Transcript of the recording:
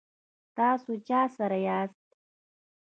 تاسو چا سره یاست؟